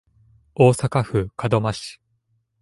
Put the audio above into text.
大阪府門真市